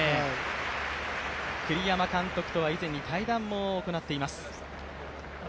栗山監督とは以前に対談も行っています。